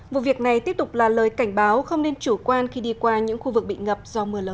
vụ việc này tiếp tục là lời cảnh báo không nên chủ quan khi đi qua những khu vực bị ngập do mưa lớn